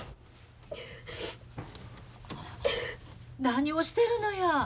何をしてるのや。